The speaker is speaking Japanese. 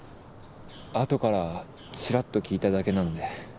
後からちらっと聞いただけなので。